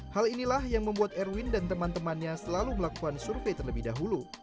hal inilah yang membuat erwin dan teman temannya selalu melakukan survei terlebih dahulu